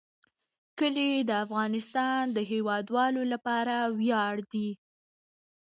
کلي د افغانستان د هیوادوالو لپاره ویاړ دی.